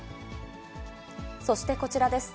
そしてこちらです。